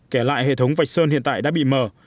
kể lại hệ thống vạch sơn hiện tại đã bị mờ